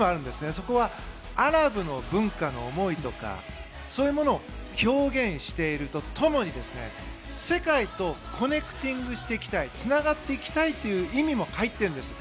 それはアラブの文化の思いとかそういうものを表現していると共に世界とコネクティングしていきたいつながっていきたいという意味も入っているんです。